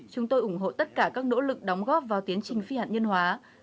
chúng tôi ủng hộ tất cả các nỗ lực đóng góp vào tiến trình phi hạt nhân hóa